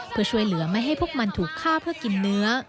เพื่อช่วยเหลือไม่ให้พวกมันถูกฆ่าเพื่อกินเนื้อ